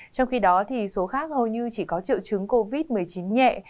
trong khi đó số khác hầu như chỉ có triệu chứng covid một mươi chín nhẹ